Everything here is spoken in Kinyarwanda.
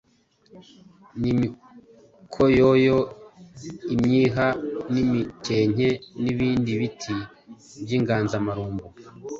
n’imikoyoyo, imyiha n’imikenke n’ibindi biti by’inganzamarumbu.